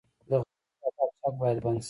د غلو قاچاق باید بند شي.